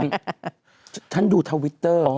ฉันดูทวิตเตอร์